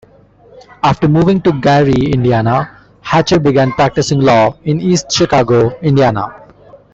After moving to Gary, Indiana, Hatcher began practicing law in East Chicago, Indiana.